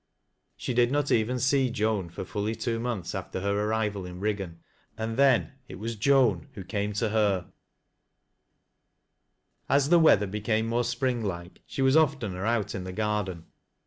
She did not even see Joan for fully two months after her arrival in Riggan, and then it was Joan who came to her As the weather became more spring like she was oftener out in the garden.